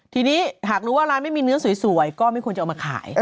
ทีนี้หากรู้ว่าร้านไม่มีเนื้อสวยก็ไม่ควรจะเอามาขาย